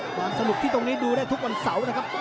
ความสนุกที่ตรงนี้ดูได้ทุกวันเสาร์นะครับ